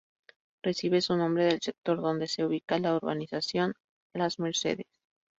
Recibe su nombre del sector donde se ubica la Urbanización Las Mercedes.